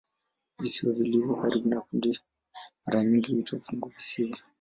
Visiwa vilivyo karibu kama kundi mara nyingi huitwa "funguvisiwa".